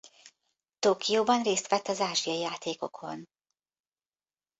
Tokióban részt vett az Ázsiai Játékokon.